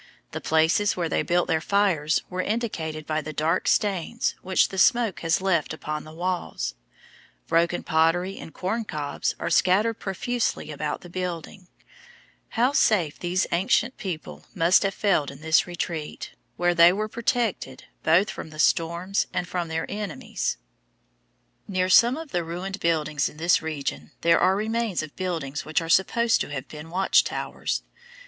The places where they built their fires are indicated by the dark stains which the smoke has left upon the walls. Broken pottery and corn cobs are scattered profusely about the building. How safe these ancient people must have felt in this retreat, where they were protected, both from the storms and from their enemies! [Illustration: FIG. 75. MONTEZUMA'S CASTLE, BEAVER CREEK CAÑON, ARIZONA] Near some of the ruined dwellings in this region there are remains of buildings which are supposed to have been watch towers.